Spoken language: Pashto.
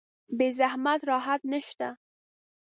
بې زحمت راحت نشته